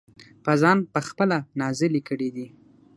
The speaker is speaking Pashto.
پۀ ځان پۀ خپله نازلې کړي دي -